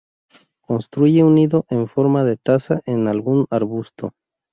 Construye un nido en forma de taza en algún arbusto.